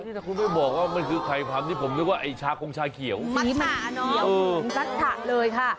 แต่คุณไม่บอกว่ามันคือไข่พำที่ผมนึกว่าไอ้ชาโกงชาเขียวมัชสะเนอะเออมัชสะเลยค่ะ